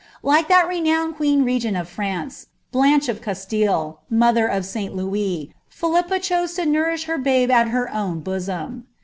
Like that renowned queen regent of Blanche of Csstillc, mother of St. Louis, Philippa chose to Iwr babe at her own bosom.